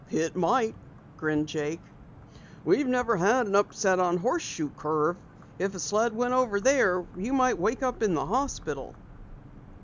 "It might," grinned Jake. "We've never had an upset on Horseshoe Curve. If a sled went over there, you might wake up in the hospital."